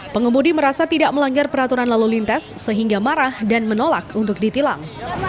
pengemudi merasa tidak melanggar peraturan lalu lintas sehingga marah dan menolak untuk ditilang